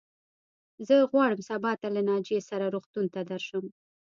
زه غواړم سبا ته له ناجيې سره روغتون ته درشم.